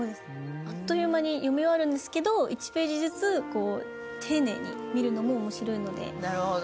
あっという間に読み終わるんですけど、１ページずつ丁寧に見るのも面白いので。